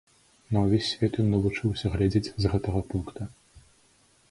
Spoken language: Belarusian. На ўвесь свет ён навучыўся глядзець з гэтага пункта.